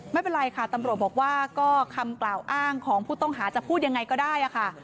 ไม่เป็นไรค่ะตำรวจบอกว่าก็คำกล่าวอ้างของผู้ต้องหาจะพูดยังไงก็ได้ค่ะ